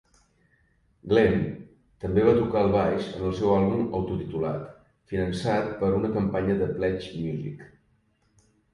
Glen també va tocar el baix en el seu àlbum autotitulat, finançat per una campanya de Pledge Music.